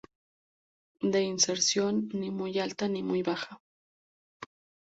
De inserción ni muy alta ni muy baja.